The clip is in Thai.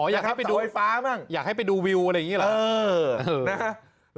อ๋ออยากให้ไปดูแต่ครับสวัสดิ์ไฟฟ้าบ้างอยากให้ไปดูวิวอะไรอย่างงี้หรอเออเออนะฮะ